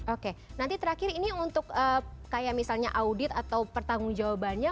oke nanti terakhir ini untuk kayak misalnya audit atau pertanggung jawabannya